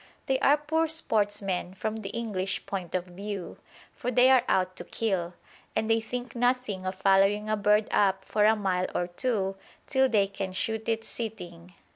They are poor sportsmen from the English point of view, for they are out to kill, and they think nothing of following a bird up for a mile or two till they can shoot it sitting.